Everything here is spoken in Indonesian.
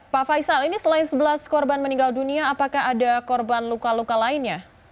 pak faisal ini selain sebelas korban meninggal dunia apakah ada korban luka luka lainnya